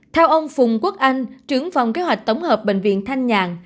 theo ông phùng quốc anh trưởng phòng kế hoạch tổng hợp bệnh viện thanh nhàn